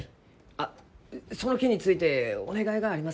あっその件についてお願いがあります